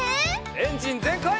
エンジンぜんかい！